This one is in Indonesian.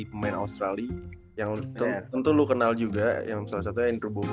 gue bakal beli jersey aslinya dia yang